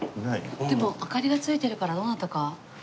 でも明かりがついてるからどなたか。